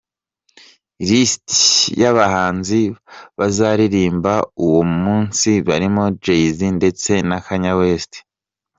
lisiti yabahanzi bazaririmba uwo munsi barimo Jay-Z ndetse na Kanye West.